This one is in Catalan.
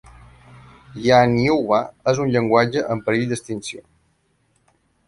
Yanyuwa és un llenguatge en perill d'extinció.